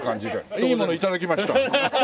いいものを頂きました。